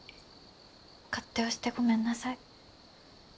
勝手をしてごめんなさい。